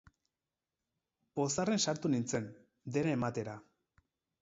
Pozarren sartu nintzen, dena ematera.